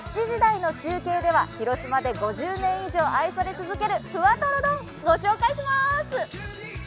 ７時台の中継では、広島で５０年以上愛され続けるふわとろ丼、御紹介します。